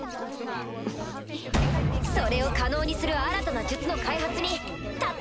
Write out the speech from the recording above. それを可能にする新たな術の開発にたった